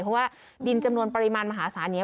เพราะว่าดินจำนวนปริมาณมหาศาลนี้